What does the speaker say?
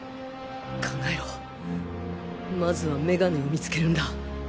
考えろまずはメガネを見つけるんだ。